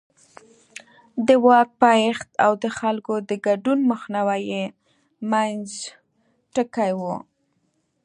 د واک پایښت او د خلکو د ګډون مخنیوی یې منځ ټکی و.